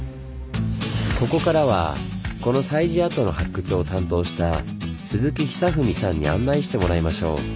ここからはこの西寺跡の発掘を担当した鈴木久史さんに案内してもらいましょう。